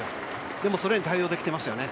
でもそれに対応できてますよね。